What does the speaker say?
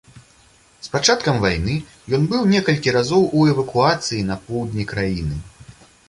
З пачаткам вайны ён быў некалькі разоў у эвакуацыі на поўдні краіны.